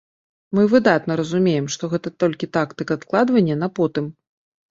Мы выдатна разумеем, што гэта толькі тактыка адкладвання на потым.